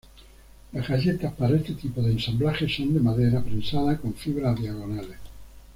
Las galletas para este tipo de ensamblaje son de madera prensada con fibras diagonales.